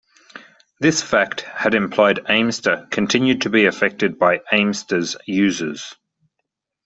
This fact had implied Aimster continued to be affected by Aimster's users.